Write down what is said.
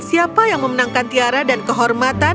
siapa yang memenangkan tiara dan kehormatan